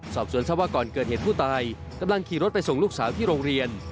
สอบสวนทราบว่าก่อนเกิดเหตุผู้ตายกำลังขี่รถไปส่งลูกสาวที่โรงเรียน